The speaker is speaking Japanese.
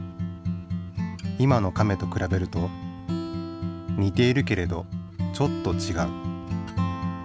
今のカメとくらべるとにているけれどちょっとちがう。